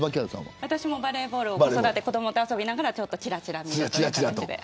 私もバレーボールを子どもと遊びながらちらちら見るという形で。